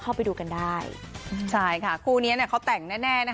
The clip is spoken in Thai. เรามารันว่ามีใครบ้าง